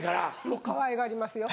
もうかわいがりますよ。